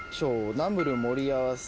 ナムル盛り合わせ。